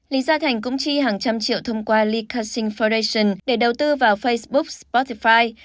lý gia thành cũng chi hàng trăm triệu thông qua lee cushing foundation để đầu tư vào facebook spotify